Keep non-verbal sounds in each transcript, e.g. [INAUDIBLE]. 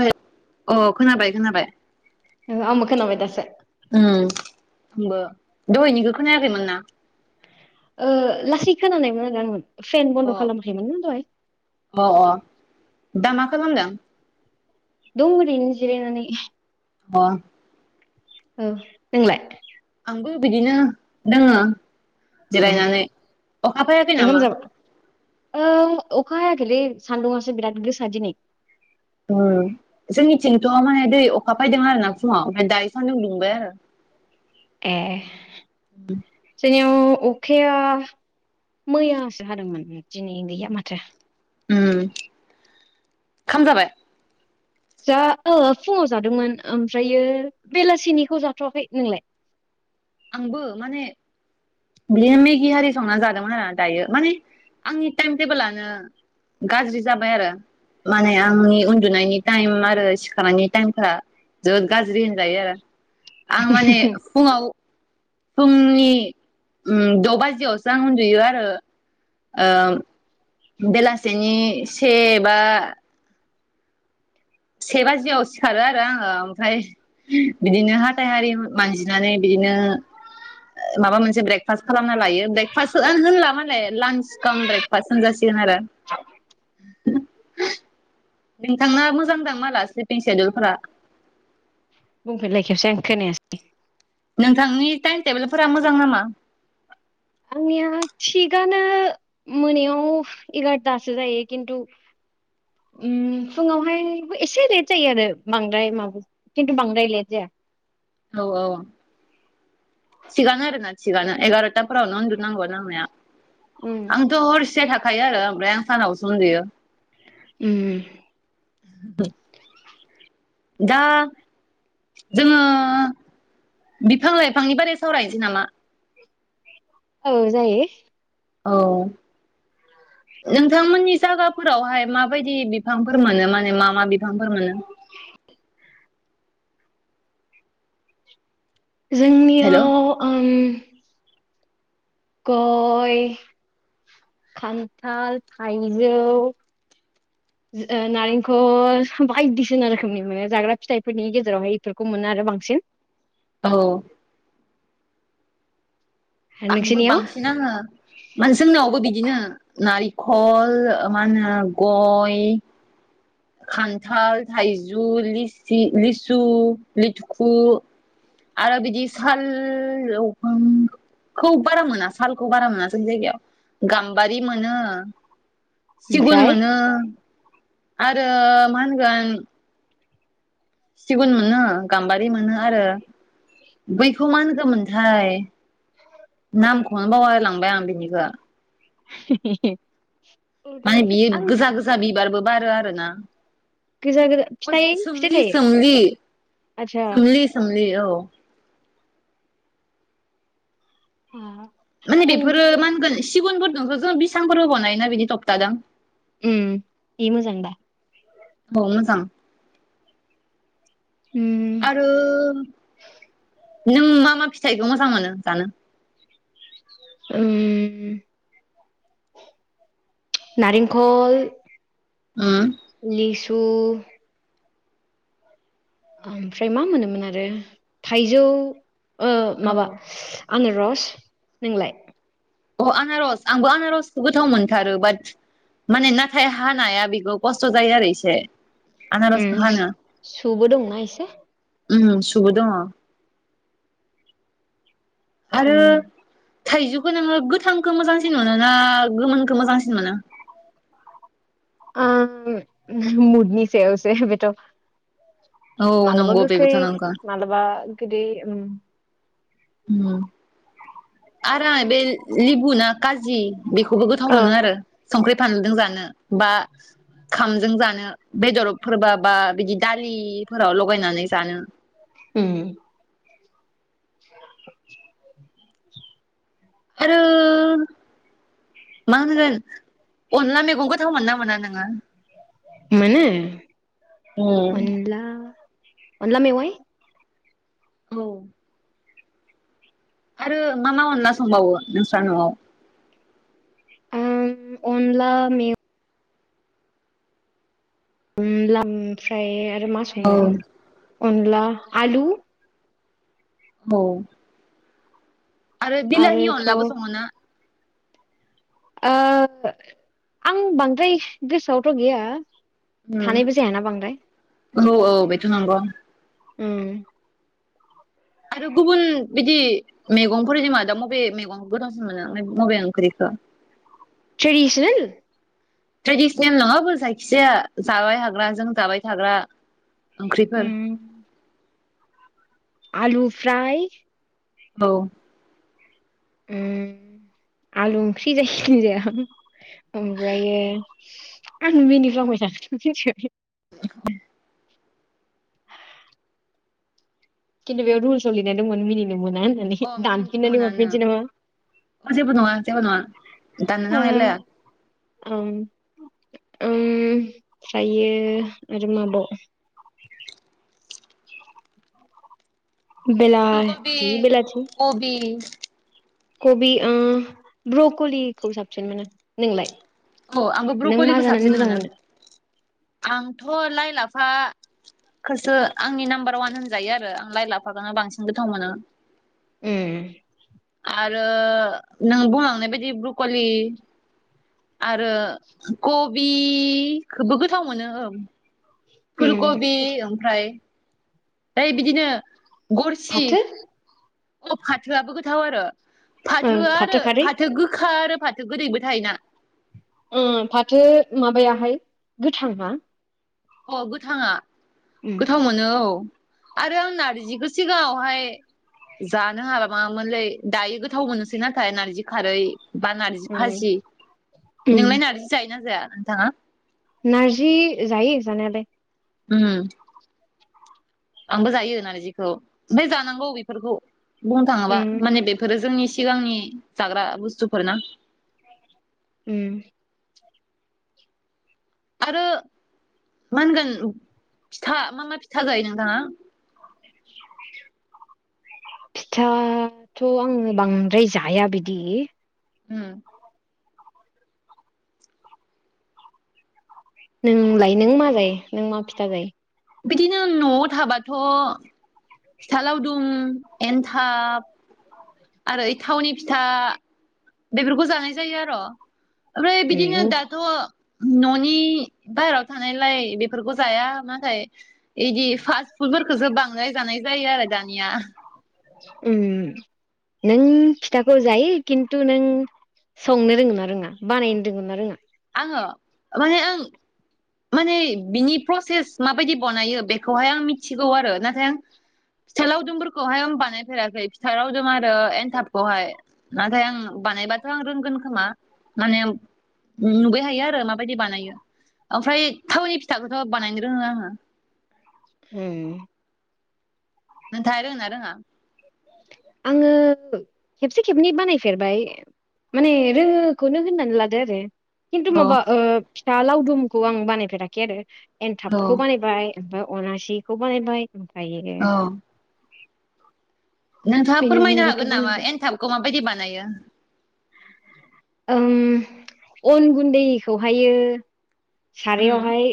अइ अ खोनाबाय खोनाबाय ओ आंबो खोनाबाय दासो उम आंबो दहायनिखौ खोनायाखैमोन ना ओ लासै खोनानायमोन आरो आङो फेन अ बन्द' खालामाखैमोन ना दहाय अ अ दा मा खालामदों दङ एरैनो जिरायनानै अ औ नोंलाय बो बिदिनो दोङ ए जिरायनानै अखा फायाखै नामा? औ अखा हायाखैलै सान्दुंआसो बिराद गोसा दिनै उम जोंनिथिंथ' माने दै अखा फैदों आरोना फुङाव ओमफ्राय दायो सान्दुं दुंबाय आरो ए जोंनिया ओ अखाया मैयासो हादोंमोन दिनै गैया माथो खाम जाबाय जा ओ फुङाव जादोंमोन ओमफ्रायो बेलासिनिखौ जाथ'वाखै नोंलाय आंबो माने बिदिनो मेगि हारि संनानै जादोंमोन आरो दायो माने आंनि टाइम टेबोलानो गाज्रि जाबाय आरो माने आंनि उन्दुनायनि टाइम आरो सिखारनायनि टाइमफ्रा जोबोद गाज्रि होनजायो आरो आं माने फुङाव फुंनि ओम द' बाजियावसो आं उन्दुयो आरो ओ बेलासिनि से बा से बाजियाव सिखारो आरो आङो ओमफ्राय बिदिनो हाथाइ हारि मानजिनानै बिदिनो बिदिनो ओ माबा मोनसे ब्रेक फास्ट खालामनानै लायो ब्रेक फास्टथ' होनला मोने लानस स्काम ब्रेकफासट होनजासिगोन आरो नोंथां ना मोजांदां माला सिफ्लिं सेदुल फोरा बुंफिनलाय खेबसे आं खोनायासै नोंथांनि टाइम टेबोलफोरा मोजां नामा आंनिया थिगानो मोनायाव एगारथासो जायो खिन्थु ओम फुङावहाय एसे लेट जायो आरो बांद्राय माबा खिन्थु बांद्राय लेट जाया औ औ थिगानो आरोना थिगानो एगार'थाफोरावनो उन्दुनांगौ नांनाया उम आंथ' हरसे थाखायो आरो ओमफ्राय आं सानावसो उन्दैयो उम [INAUDIBLE] दा जोङो बिफां लाइफांनि बारै सावरायनोसै नामा? औ जायो औ नोंथांमोननि जायगाफोरावहाय माबायदि बिफांफोर मोनो माने मा मा बिफांफोर मोनो [INAUDIBLE] हेल' जोंनियाव गय खान्थाल थायजौ [INAUDIBLE] ओ नारेंखल बायदिसिना रोखोमनि मोनो जाग्रा फिथाइफोरनि गेजेरावहाय इफोरखौ मोनो आरो बांसिन [UNINTELLIGIBLE] औ आंबो नोंसोरनियाव बांसिन आङो माने जोंनावबो बिदिनो नारि खल मा‌ ओनो गय खान्थाल, थाइजु, लिसि लिसु, लिटुखु आरो बिदि साल खौ बारा मोना सालखौ बारा मोना जोंनि जायगायाव गाम्बारि मोनो सिगुन ओमफ्राय मोनो आरो मा होनगोन सिगुन मोनो गाम्बारि मोनो आरो बैखौ मा होनगोमोनथाय नामखौनो बावलाय लांबाय आं बिनिखो [UNINTELLIGIBLE] माने बियो आं गोजा गोजा बिबारबो बारो आरो ना गोजा गोजा अ फिथाइ फिथाइ सोमलि थायो सोमलि आदसा सोमलि सोमलि औ [UNINTELLIGIBLE] माने उम बेफोरो मा होनगोन सिगुनफोरजोंथ' जों [UNINTELLIGIBLE] फोरबो बनायोना बिनि तबतादों ओम बि मोजां दा औ मोजां उम आरो नों मा मा फिथाइखौ मोजां मोनो जानो? ओम नारेंखल उम लिसु ओमफ्राय मा मोनोमोन आरो थाइजौ ओ औ माबा आनारस नोंलाय? अह आनारस आंबो आनारसखौ गोथाव मोनथारो बाट माने नाथाय हानाया बेखौ खस्थ' जायो आरो इसे ओम सुबो दंना इसे ओम सुबो दङ' आरो उम थाइजौखौ नोङो गोथांखो मोजांसिन मोनो ना गोमोनखो मोजांसिन मोनो? आ ओम मुदनि सायावसो बेथ' औ मालाबा नंगौ गोखै बेबोथ' नंगौ मालाबा गोदै ओम आरो आं बे लिबु ना काजि बेखौबो गोथाव ओ मोनो आरो संख्रि फानलुदों जानो बा खामजों जानो बेदरफोरबा बा बिदि दालिफोराव लगायनानै जानो ओम [INAUDIBLE] आरो मा होनगोन अनला मैगं गोथाव मोनोना मोना नोङो? मोनो उम अनला अनला मेवाय औ आरो मा मा अनला संबावो नोंस्रा न'वाव ओम अनला मेव ला ओमफ्राय आरो मा औ संबावो अनला आलु औ आरो बिलाहि आरोथ' अनलाबो सङोना? ओ आं बांद्राय गोसोआवथ' गैया। थानायबो जायाना बांद्राय ओम औ औ बेथ' नंगौ ओम आरो गुबुन बिदि मैगंफोर जेनेबा दा मबे मैगं गोथावसिन मोनो मबे ओंख्रिखौ [UNINTELLIGIBLE] ट्रेडिसनेल ट्रेडिसनेल नङाबो जायखिजाया जाबाय हाग्राजों जाबाय थाग्रा। ओंख्रिफोर उम आलु फ्राय औ ओम आलु ओंख्रि जायखिजाया ओमफ्रायो आं मिनिग्लांबाय थागोन मिथिबाय [UNINTELLIGIBLE] खिन्थु बेयाव रुलसाव लिरनाय दंमोन मिनिनो मोना अ होननानै मिनिनोथ' दानफिननानै मोनानो हरफिननोसै नामा? अ जेबो नङा जेबो नङा दानो नांलायलाया। औ ओमफ्रायो आरो माबा फुलकबि बिलाथि बेलाथि कबि कबि ओ ब्रकलिखौ साबसिन मोनो नोंलाय औ आंबो नों मा ब्रक'लिखौ जानानै साबसिन मोजां मोनो आंथ' लाइ लाफा खौसो आंनि नाम्बार ववान होनजायो आरो आं लाइ लाफाखौनो बांसिन गोथाव मोनो। उम आरो नों बुंलांनाय बायदि ब्रकलि आरो कबिखौबो गोथाव मोनो ओं। फुल उम कबि ओमफ्राय फ्राय बिदिनो गरसि फाथो अ फाथोआबो गोथाव आरो ओ फाथो आरो खारै फाथो गोखा आरो फाथो गोदैबो थायोना। ओम फाथो माबायाहाय गोथाव ना अ गोथाङा गोथाव मोनो औ। आरो आं नारजिखौ सिगाङावहाय जानो हाला मामोनलै दायो गोथाव मोनसै नाथाय नारजि खारै बा नार्जि फासि उम नोंलाय नारजि जायोना जाया नोंथाङा? नारजि जायो जानायालाय। उम आंबो जायो नारजिखौ ओमफ्राय जानांगौ बेफोरखौ बुंनो थाङोबा उम माने बेफोरो जोंनि सिगांनि जाग्रा बुस्थुफोर ना उम आरो मा होनगोन फिथा मा मा फिथा जायो नोंथाङा? फिथाथ' आङो बांद्राय जाया बिदि उम नोंलाय नों मा जायो नों मा फिथा जायो। बिदिनो न'आव थाबाथ' फिथा लावदुम एन्थाब आरो थावनि फिथा बेफोरखौ जानाय जायो आरो। ओमफ्राय बिदिनो जायो उम दाथ' न'नि बायेरायाव थानायलाय बेफोरखौ जाया नाथाय बिदि फास्ट फुद फोरफोरखौसो बांनो जानाय जायो आरो दानिया उम नों फिथाखौ जायो खिन्थु नों संनो रोङोना रोङा बानायनो रोंङोना रोङा आङो माने आं माने बिनि प्रसेस माबायदि बानायो बेखौहाय आं मिथिगौ आरो नाथाय आं फिथाइ लावदुमफोरखौहाय आं बानायफेराखै फिथा लावदुम आरो एन्थाबखौहाय नाथाय आं बानायबाथ' आं रोंगोन खोमा माने नुबाय थायो आरो माबायदि बानायो ओमफ्राय थावनि फिथाखौथ' बानायनो रोङो आङो ओ नोंथाङा रोंयोना रोङा? आङो खेबसे खेबनै बानायफेरबाय माने रोङोखौनो होननानै लादो आरो खिनथु औ माबा फिथा लावदुमखौ आं बानायफेराखै आरो औ एनथाबखौ बानायबाय ओमफ्राय अनासिखौ बानायबाय ओमफ्रायो औ नोंथाङा बेनि फोरमायनो अनगाथ' हागोन नामा बानायबाय एनथाबखौ माबायदि बानायो ओं अन गुनदैखौहायो उम सारायावहाय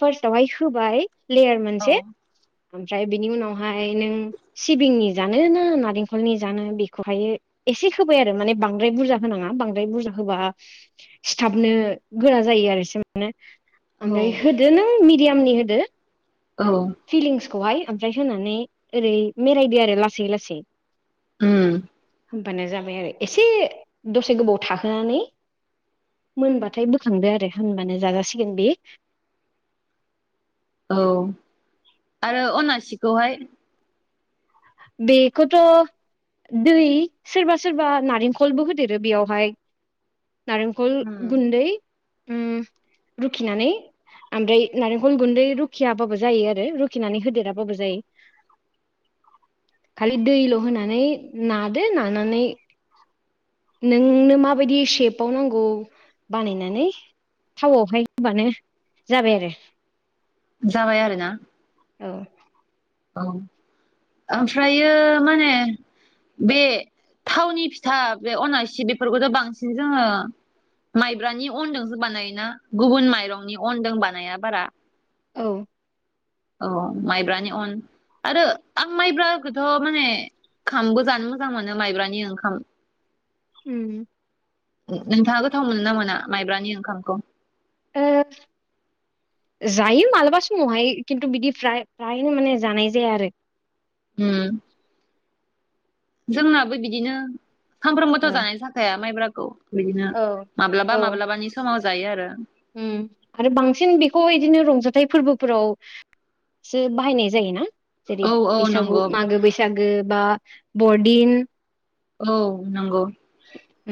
पास्टयावहाय होबाय लेयार औ मोनसे ओमफ्राय बिनि उनावहाय नों सिबिंनि जानोना नारेंखलनि जानो बेखौहायो एसे होबाय आरो माने बांद्राय बुरजा होनाङा बांद्राय बुरजा होबा सिथाबनो गोरा जायो आरो एसेयावनो औ ओमफ्राय होदो नों मिडियामनि होदो औ फिलिंसखौहाय ओमफ्राय होनानै ओरै बेरायदो आरो लासै लासै ओम होबानो जाबाय आरो एसे दसे गोबाव थाहोनानै मोनबाथाय बोखांदो आरो होनबानो जाजासिगोन बे औ आरो अनासिखौहाय बेखौथ' दै सोरबा सोरबा नारेंखलबो होदेरो बेयावहाय नारेंखल उम गुनदै ओम रुखिनानै ओमफ्राय नारेंखल गुनदै रुखियाबाबो जायो आरो रुखिनानै होदेराबाबो जायो [INAUDIBLE] खालि दैल' होनानै नादो नानानै नोंनो माबायदि सेपाव नांगौ बानायनानै थावयावहाय होबानो जाबाय आरो जाबाय आरोना औ औ ओमफ्रायो मा होनो बे थावनि फिथा बे अनासि बेफोरखौथ' बांसिन जोङो माइब्रानि अनजोंसो बानायोना गुबुन माइरंनि अनजों बानाया बारा औ औ माइब्रानि अन आरो आं माइब्राखौथ' माने ओंखामबो जानो मोजां मोनो माइब्रानि ओंखाम ओम नोंथाङा गोथाव मोनो ना मोना माइब्रानि ओंखामखौ ओ जायो मालाबा समावहाय खिनथु बिदि फ्राय फ्रायनो माने जानाय जाया आरो होम जोंनाबो बिदिनो सानफ्रोमबोथ' जानाय जाखाया माइब्राखौ बिदिनो औ माब्लाबा माब्लाबानि समाव जायो आरो ओम आरो बांसिन बेखौ इदिनो रंजाथाइ फोरबोफोराव सो बाहायनाय जायोना औ जेरै औ बैसागु नंगौ मागो बैसागु जेनेबा बरदिन औ नंगौ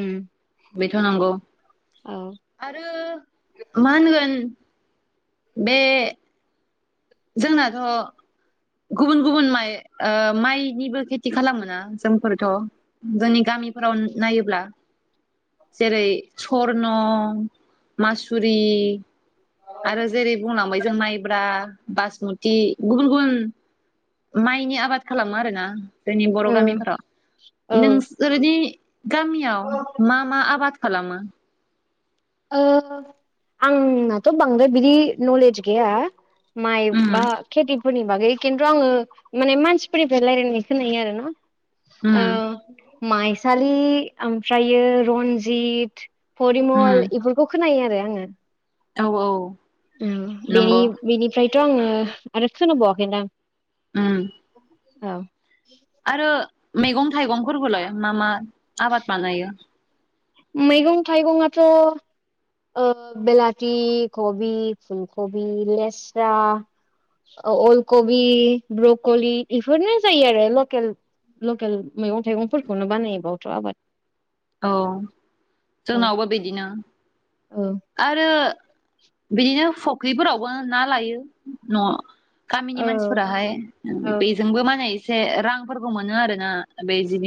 ओम बेथ' नंगौ आरो मा होनगोन बे जोंनाथ' गुबुन गुबुन माइ ओ माइनिबो खेति खालामोना जोंफोरथ' जोंनि गामि मिफोराव नायोब्ला जेरै सरन' मासुरि आरो जेरै बुंलांबाय जों माइब्रा बासमति गुबुन गुबुन माइनि आबाद खालामो आरोना जोंनि बर' उम गामिफोराव औ नों सोरदि गामियाव मा मा आबाद खालामो? ओ आंनाथ' बांद्राय बिदि नलेज गैया माइ उम बा खेति फोरनि बागै किन्तु आङो माने मानसिफोरनिफ्राय रायलायनाय खोनायो आरो ना उम ओ माइसालि ओमफ्रायो रन्जित उम फरिम'ल खौ खोनायो आरो आङो औ औ ओम बेनि नंगौ बेनिफ्रायथ' आङो आरो खोनाबावाखैदां ओम औ आरो मैगं थाइगंफोरबोलाय मा मा आबाद बानायो? मैगं थायगंआथ' ओ बेलाथि, कबि, फुल कबि, लेस्रा ओ अलकबि ब्रक'लि इफोरनो जायो आरो लकेल लकेल मैगं-थाइगंफोरखौनो बानायबावथ' आबाद औ औ जोंनावबो बेदिनो औ आरो ओ बिदिनो फख्रिफोरावबो ना लायो न' गामिनि मानसिफोराहाय औ बेजोंबो माने इसे रांफोरबो मोनो आरो ना बे जि